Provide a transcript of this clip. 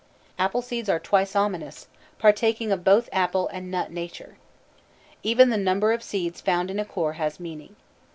Apple seeds are twice ominous, partaking of both apple and nut nature. Even the number of seeds found in a core has meaning.